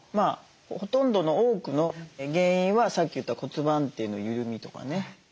ほとんどの多くの原因はさっき言った骨盤底の緩みとかね。